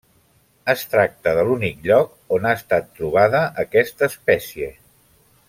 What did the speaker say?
Es tracta de l'únic lloc on ha estat trobada aquesta espècie.